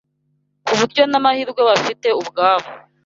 ku buryo n’amahirwe bafite ubwabo